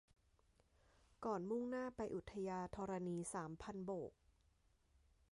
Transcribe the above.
ก่อนมุ่งหน้าไปอุทยาธรณีสามพันโบก